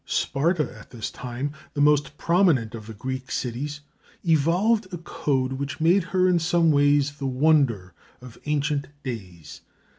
Sparta, at this time the most prominent of the Greek cities, evolved a code which made her in some ways the wonder of ancient days.